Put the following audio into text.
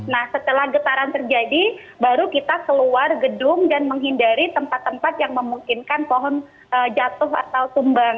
nah setelah getaran terjadi baru kita keluar gedung dan menghindari tempat tempat yang memungkinkan pohon jatuh atau tumbang